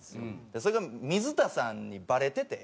それが水田さんにバレてて。